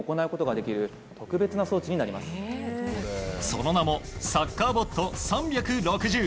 その名もサッカーボット３６０。